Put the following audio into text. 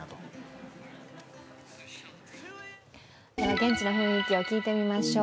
現地の雰囲気を聞いてみましょう。